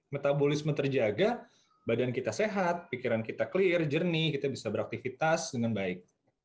metabolisme terjaga badan kita sehat pikiran kita clear jernih kita bisa beraktivitas dengan baik